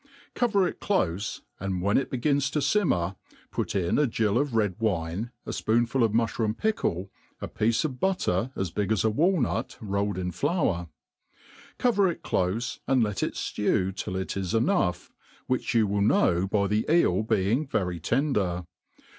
Cover it clofe, and when it begins to fimmer, put in a gili of red v(rine, a fpoonful of muihrooin pickle, a piece of butter, as big as a walnut* rolled in flour : cover it dofe, apd let jt ^w till it is enough, which you will koQW by jthe eel Mng very tender.